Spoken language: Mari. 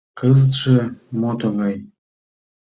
Кызытше мо тугай?